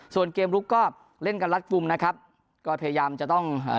ส่วนเกมลุกก็เล่นกันรัดกลุ่มนะครับก็พยายามจะต้องอ่า